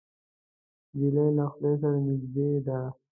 نجلۍ له خدای سره نږدې ده.